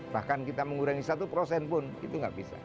bahkan kita mengurangi satu prosen pun itu nggak bisa